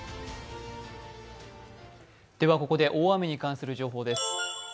ここで大雨に関する情報です。